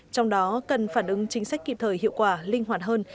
trong đó cần phản ứng chính sách kịp thời hiệu quả linh hoạt hơn